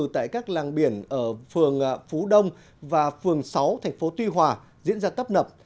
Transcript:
tại các làng biển ở phường phú đông và phường sáu tp tuy hòa diễn ra tấp nập